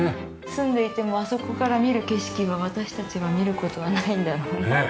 住んでいてもあそこから見る景色は私たちは見る事はないんだろうなっていう。